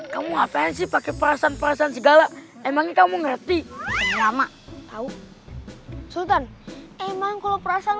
kamu avansi pakai perasan perasan segala emang kamu ngerti tahu sultan emang kalau perasan